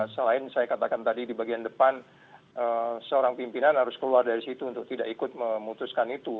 selain saya katakan tadi di bagian depan seorang pimpinan harus keluar dari situ untuk tidak ikut memutuskan itu